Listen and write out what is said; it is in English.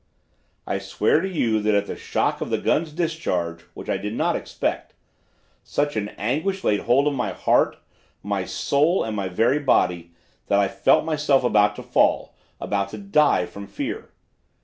"I swear to you that at the shock of the gun's discharge, which I did not expect, such an anguish laid hold of my heart, my soul, and my very body that I felt myself about to fall, about to die from fear.